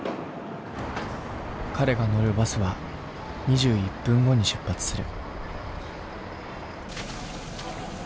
彼が乗るバスは２１分後に出発する。